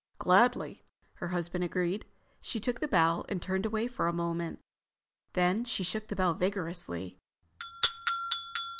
"Gladly," her husband agreed. She took the bell and turned away for a moment. Then she shook the bell vigorously.